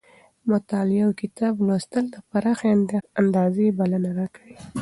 مطالعه اوکتاب لوستل د پراخې اندازې بلنه راکوي.